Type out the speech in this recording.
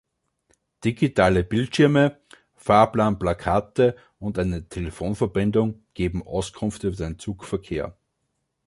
Digitale Bildschirme, Fahrplanplakate und eine Telefonverbindung geben Auskunft über den Zugverkehr.